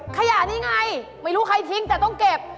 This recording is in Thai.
ขยะนี่ไงไม่รู้ใครทิ้งแต่ต้องเก็บ